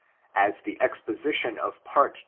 As the exposition of Part 11.